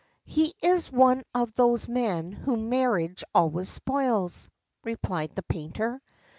"He is one of those men whom marriage always spoils," replied the painter.